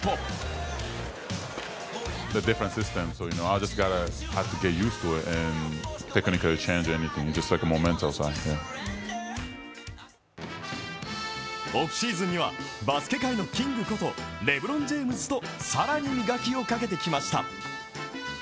このことを本人に聞いてみるとオフシーズンにはバスケ界のキングことレブロン・ジェームズと更に磨きをかけてきました。